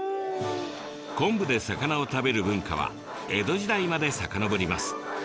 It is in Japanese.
昆布で魚を食べる文化は江戸時代まで遡ります。